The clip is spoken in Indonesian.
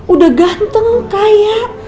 udah ganteng kaya